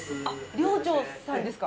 寮長さんですか？